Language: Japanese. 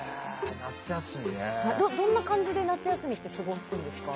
どんな感じで夏休みって過ごすんですか？